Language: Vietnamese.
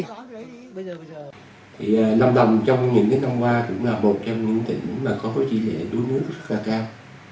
thì lâm đồng trong những năm qua cũng là một trong những tỉnh có trí lệ đuối nước rất là cao